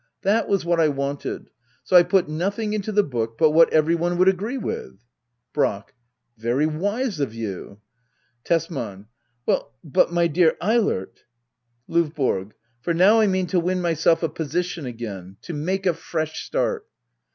That was what I wanted ; so I put nothing into the book but what every one would agree with. Brack. Very wise of you. Tesman. Well but, my dear Eilert I L5YB0R0. For now I mean to win myself a position again — to make a fresh start.